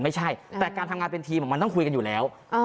ไม่ใช่แต่การทำงานเป็นทีมมันต้องคุยกันอยู่แล้ว